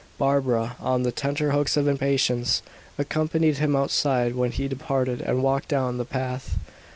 Barbara, on the tenterhooks of impatience, accompanied him outside when he departed, and walked down the path.